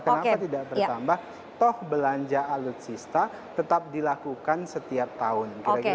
kenapa tidak bertambah toh belanja alutsista tetap dilakukan setiap tahun